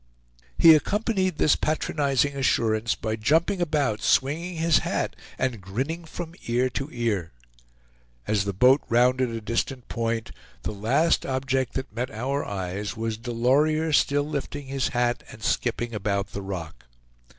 He accompanied this patronizing assurance by jumping about swinging his hat, and grinning from ear to ear. As the boat rounded a distant point, the last object that met our eyes was Delorier still lifting his hat and skipping about the rock.